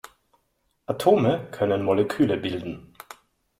Atome können Moleküle bilden.